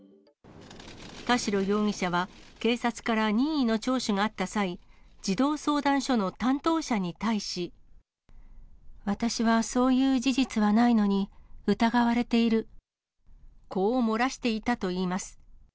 田代容疑者は、警察から任意の聴取があった際、児童相談所の担当者に対し。私はそういう事実はないのに、こう漏らしていたといいます。